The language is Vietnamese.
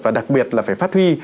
và đặc biệt là phải phát huy